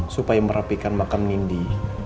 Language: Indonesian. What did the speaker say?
supaya merapikan makam nindi